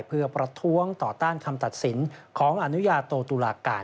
เพื่อประท้วงต่อต้านคำตัดสินของอนุญาโตตุลาการ